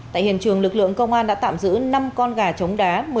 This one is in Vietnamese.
tại hiện trường lực lượng công an đã tạm giữ năm con gà trống đá